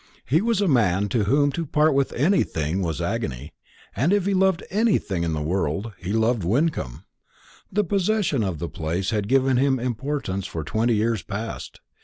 He was a man to whom to part with anything was agony; and if he loved anything in the world, he loved Wyncomb. The possession of the place had given him importance for twenty years past.